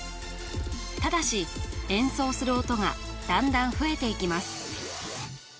ただし演奏する音がだんだん増えていきます